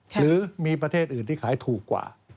หรือมีประเทศอื่นที่ขายถูกกว่า